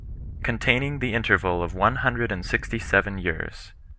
Containing The Interval Of One Hundred And Sixty Seven Years.